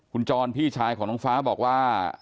คุณจรพี่ชายของน้องฟ้าบอกว่า